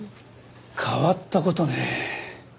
変わった事ね。